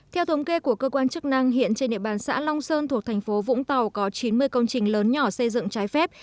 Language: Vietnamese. theo thống kê của cơ quan chức năng hiện trên địa bàn xã long sơn thuộc thành phố vũng tàu có chín mươi công trình lớn nhỏ xây dựng trái phép